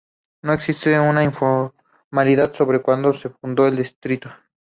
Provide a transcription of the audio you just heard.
No existe una uniformidad sobre cuándo se fundó el distrito.